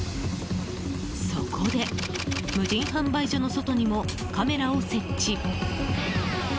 そこで、無人販売所の外にもカメラを設置。